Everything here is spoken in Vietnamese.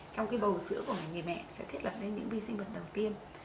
trong cái bầu sữa của người mẹ sẽ thiết lập nên những vi sinh vật đầu tiên